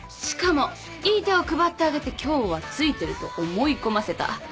しかもいい手を配ってあげて今日はついてると思い込ませた。